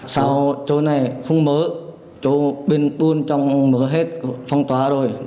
sau chỗ này không mở chỗ bên tuôn trong mở hết phong tỏa rồi